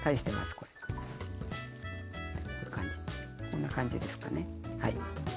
こんな感じですかね。